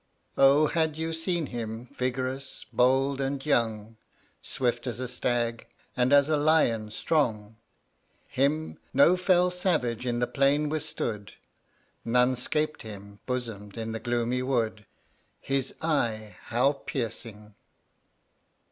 Oh had you seen him, vigorous, bold, and young, Swift as a stag, and as a lion strong; Him no fell savage in the plain withstood, None 'scap'd him, bosomed in the gloomy wood; His eye how piercing!"